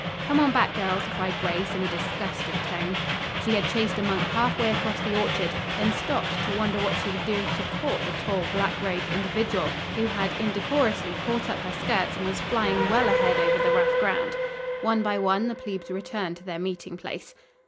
"Come on back, girls," cried Grace in a disgusted tone. She had chased a monk half way across the orchard; then stopped to wonder what she would do if she caught the tall, black robed individual who had indecorously caught up her skirts and was flying well ahead over the rough ground. One by one the plebes returned to their meeting place.